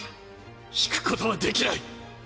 引くことはできない。